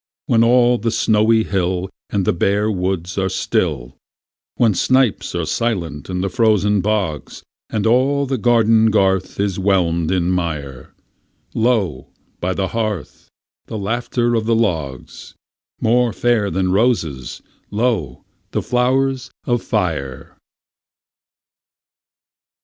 When all the snowy hill And the bare woods are still; When snipes are silent in the frozen bogs, And all the garden garth is whelmed in mire, Lo, by the hearth, the laughter of the logs— More fair than roses, lo, the flowers of fire!